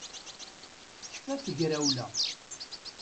Tekfa tegrawla